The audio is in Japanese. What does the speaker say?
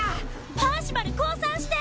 パーシバル降参して！